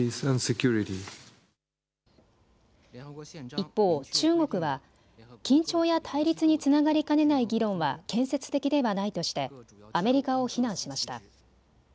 一方、中国は緊張や対立につながりかねない議論は建設的ではないとしてアメリカを非難しました。